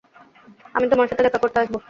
আমি তোমার সাথে দেখা করতে আসবো।